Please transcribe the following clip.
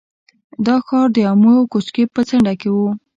دا ښار د امو او کوکچې په څنډه کې و